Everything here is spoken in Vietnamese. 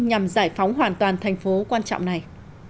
nhằm giải phóng hoàn toàn thành phố quan trọng này